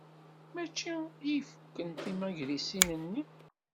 Mačči i ifuken timagrisin-nni.